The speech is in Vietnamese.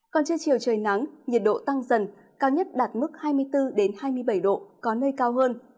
còn trên chiều trời nắng nhiệt độ tăng dần cao nhất đạt mức hai mươi bốn hai mươi bảy độ có nơi cao hơn